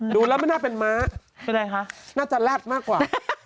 ดูแล้วไม่น่าเป็นม้าเป็นไงคะน่าจะแรดมากกว่า